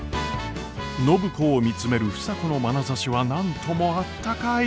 暢子を見つめる房子のまなざしは何ともあったかい。